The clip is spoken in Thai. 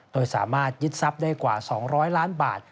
โดยสามารถยึดทรัพย์ได้กว่า๒๐๐ล้านบาท